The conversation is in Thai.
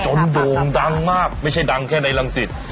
จนโดงดังมากไม่ใช่ดังแค่ในรังสิทธิ์